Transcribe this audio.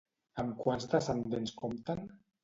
Amb quants descendents compten?